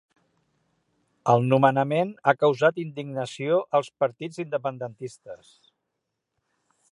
El nomenament ha causat indignació als partits independentistes